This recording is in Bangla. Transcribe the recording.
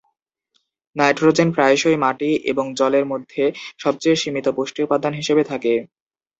নাইট্রোজেন প্রায়শই মাটি এবং জলের মধ্যে সবচেয়ে সীমিত পুষ্টি উপাদান হিসেবে থাকে।